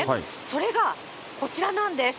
それがこちらなんです。